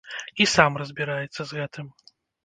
І сам разбіраецца з гэтым.